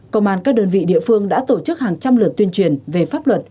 công an các đơn vị địa phương đã tổ chức hàng trăm lượt tuyên truyền về pháp luật